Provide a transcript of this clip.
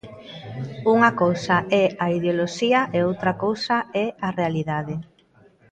Unha cousa é a ideoloxía e outra cousa é a realidade.